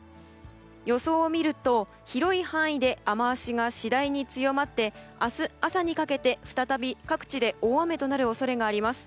予想を見ると、広い範囲で雨脚が次第に強まって明日朝にかけて再び各地で大雨となる恐れがあります。